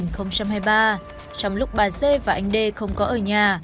trong lúc bà dê và anh đê không có ở nhà